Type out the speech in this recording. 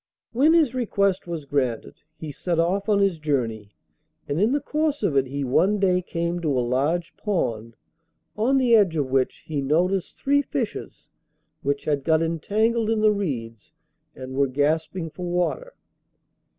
When his request was granted, he set off on his journey, and in the course of it he one day came to a large pond, on the edge of which he noticed three fishes which had got entangled in the reeds and were gasping for water.